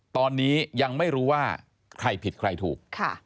ตอนนี้ยังไม่รู้ว่าใครผิดใครถูก